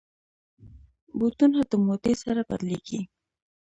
بوټونه د مودې سره بدلېږي.